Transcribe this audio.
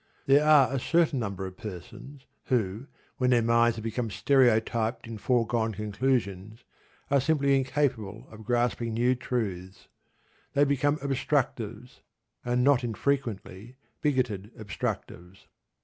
There are a certain number of persons who, when their minds have become stereotyped in foregone conclusions, are simply incapable of grasping new truths. They become obstructives, and not infrequently bigoted obstructives.